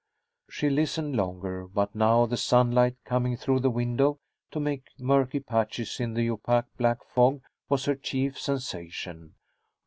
She listened longer, but now the sunlight coming through the window to make murky patches in the opaque black fog was her chief sensation.